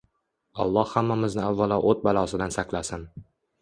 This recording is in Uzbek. Olloh hammamizni avvalo oʻt balosidan saqlasin